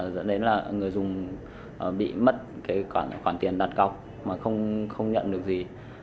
dẫn đến là người dùng bị mất khoản tiền đặt cọc mà không nhận được gì